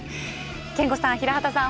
憲剛さん平畠さん